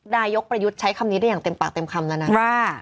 นายกประยุทธ์ใช้คำนี้ได้อย่างเต็มปากเต็มคำแล้วนะว่า